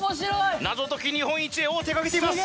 謎解き日本一へ王手かけています。